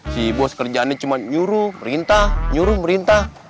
si bos kerjaannya cuma nyuruh merintah nyuruh merintah